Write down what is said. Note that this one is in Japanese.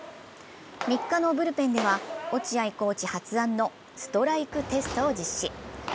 ３日のブルペンでは落合コーチ発案のストライクテストを実施。